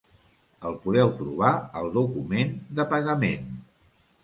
El podeu trobar al document de pagament.